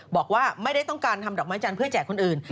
บอกว่าไม่ได้ต้องการทำดอกไม้จันทร์เพื่อแจกคนอื่น